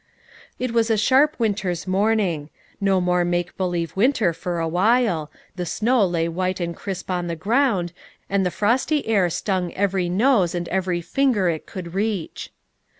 It was a sharp winter's morning. No more make believe winter for a while, the snow lay white and crisp on the ground, and the frosty air stung every nose and every finger it could reach.